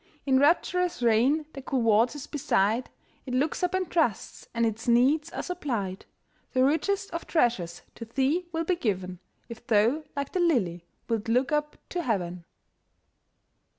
In rapturous reign, the cool waters beside, It looks up and trusts, and its needs are supplied. The richest of treasures to thee will be given, If thou, like the lily, wilt look up to heaven.